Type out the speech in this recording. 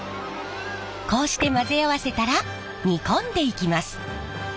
こうして混ぜ合わせたら煮込んでいきます。